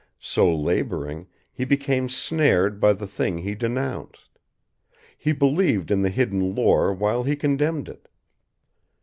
So laboring, he became snared by the thing he denounced. He believed in the hidden lore while he condemned it.